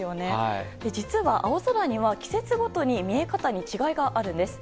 実は、青空には季節ごとに見え方に違いがあるんです。